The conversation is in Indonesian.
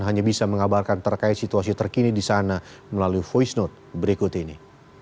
hanya bisa mengabarkan terkait situasi terkini di sana melalui voice note berikut ini